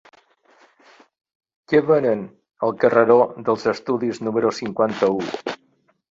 Què venen al carreró dels Estudis número cinquanta-u?